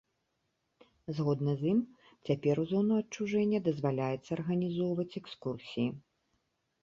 Згодна з ім, цяпер у зону адчужэння дазваляецца арганізоўваць экскурсіі.